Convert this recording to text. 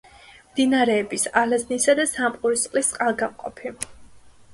მდინარეების ალაზნისა და სამყურისწყლის წყალგამყოფი.